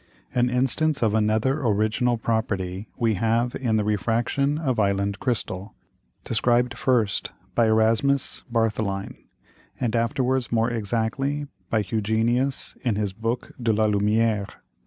An instance of another original Property we have in the Refraction of Island Crystal, described first by Erasmus Bartholine, and afterwards more exactly by Hugenius, in his Book De la Lumiere.